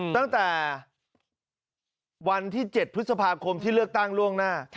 ตั้งแต่วันที่๗พฤษภาคมที่เลือกตั้งล่วงหน้า